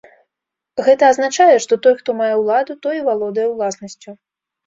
Гэта азначае, што той, хто мае ўладу, той і валодае ўласнасцю.